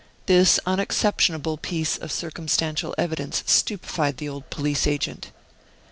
This unexceptionable piece of circumstantial evidence stupefied the old police agent.